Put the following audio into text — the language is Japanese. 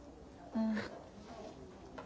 うん。